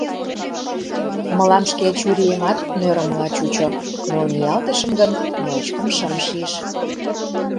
Мылам шке чуриемат нӧрымыла чучо, но ниялтышым гын, ночкым шым шиж.